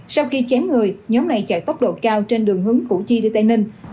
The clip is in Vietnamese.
sau khi chém người nhóm này chạy tốc độ cao trên đường hướng củ chi đi tây ninh